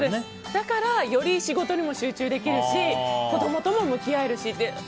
だから、より仕事にも集中できるし子供とも向き合えるしって。